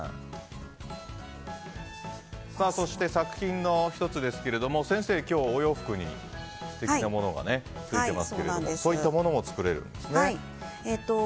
そして作品の１つですが先生、今日お洋服に素敵なものがついていますけれどもこういったものも作れるんですね。